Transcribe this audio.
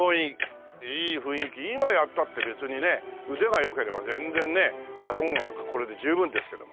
今やったって別にね腕が良ければ全然ね建物なんかこれで十分ですけども。